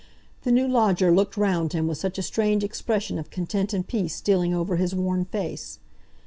The new lodger looked round him with such a strange expression of content and peace stealing over his worn face.